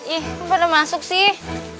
ih bernama asok sih